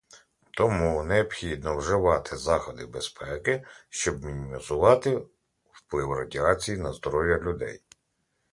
Тому необхідно вживати заходи безпеки, щоб мінімізувати вплив радіації на здоров'я людей.